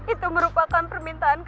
itu merupakan permintaanmu